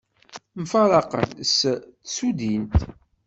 Mfaraqen s tsudint.